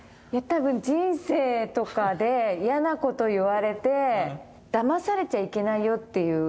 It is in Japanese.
多分人生とかで嫌なこと言われてだまされちゃいけないよっていう。